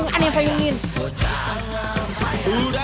udah tua masih aja malah